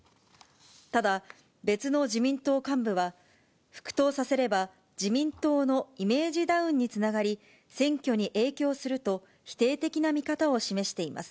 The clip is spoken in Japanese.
ただ、別の自民党幹部は、復党させれば自民党のイメージダウンにつながり、選挙に影響すると否定的な見方を示しています。